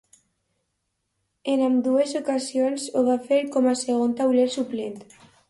En ambdues ocasions ho va fer com a segon tauler suplent.